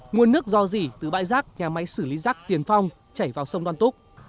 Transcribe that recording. nguồn nước do dỉ từ bãi rác nhà máy xử lý rác tiền phong chảy vào sông đoan túc